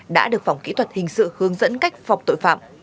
đã được phòng kỹ thuật hình sự hướng dẫn cách phòng tội phạm